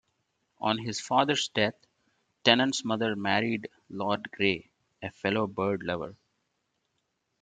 On his father's death, Tennant's mother married Lord Grey, a fellow bird-lover.